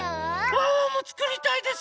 ワンワンもつくりたいです。